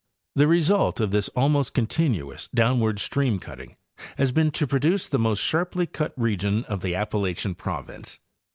The result of this almost continuous downward stream cutting has been to produce the most sharply cut region in the Appa lachian province.